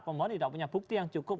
pemohon tidak punya bukti yang cukup